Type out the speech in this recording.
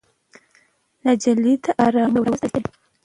نجلۍ د ارامۍ یو راز دی.